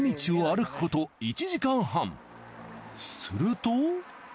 すると。